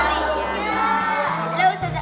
halo ustazah aulia